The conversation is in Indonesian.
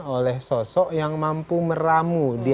oleh sosok yang mampu meramu